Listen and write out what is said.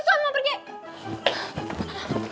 susah mau pergi